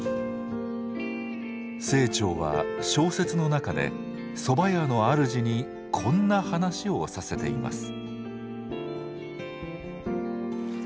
清張は小説の中でそば屋のあるじにこんな話をさせています。